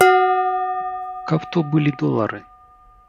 Каб то былі долары!